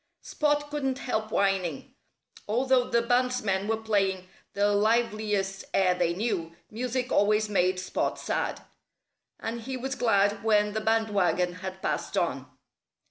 Spot couldn't help whining. Although the bandsmen were playing the liveliest air they knew, music always made Spot sad. And he was glad when the band wagon had passed on.